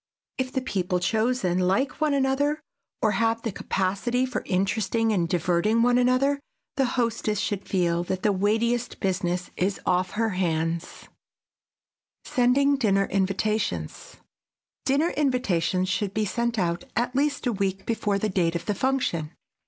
If the people chosen like one another or have the capacity for interesting and diverting one another, the hostess should feel that the weightiest business is off her hands. [Sidenote: SENDING DINNER INVITATIONS] Dinner invitations should be sent out at least a week before the date of the function.